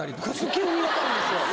急に分かるんですよ。